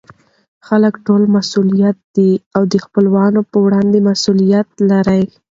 خلکو ټول مسئوول دي او دخپلوانو په وړاندې مسئولیت لري.